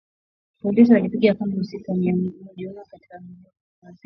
Polisi walipiga kambi usiku wa Ijumaa katika eneo ambalo kiongozi ni mkuu wa upinzani